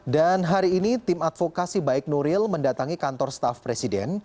dan hari ini tim advokasi baik nuril mendatangi kantor staff presiden